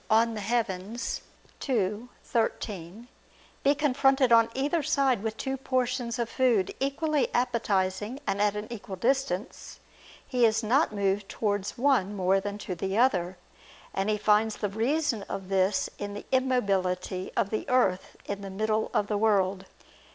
De Coelo ii, 13), be confronted on either side with two portions of food equally appetizing and at an equal distance, he is not moved towards one more than to the other; and he finds the reason of this in the immobility of the earth in the middle of the world.